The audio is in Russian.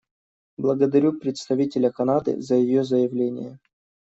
Благодарю представителя Канады за ее заявление.